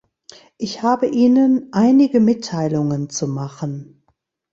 Ich habe Ihnen einige Mitteilungen zu machen.